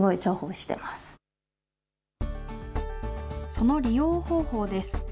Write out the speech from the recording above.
その利用方法です。